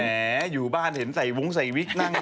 แหมอยู่บ้านเห็นใส่วุ้งใส่วิทย์นั่ง